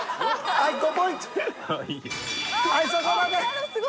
はいそこまで。